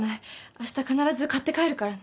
あした必ず買って帰るから。